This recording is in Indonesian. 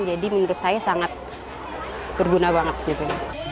jadi menurut saya sangat berguna banget gitu